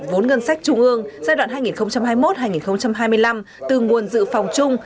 vốn ngân sách trung ương giai đoạn hai nghìn hai mươi một hai nghìn hai mươi năm từ nguồn dự phòng chung